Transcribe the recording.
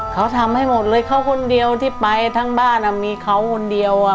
เขาทำให้หมดเลยเขาคนเดียวที่ไปทั้งบ้านอ่ะมีเขาคนเดียวอ่ะ